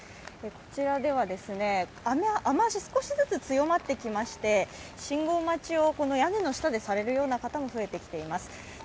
こちらでは雨足が少しずつ強まってきまして、信号待ちを屋根の下でされるような方も増えています。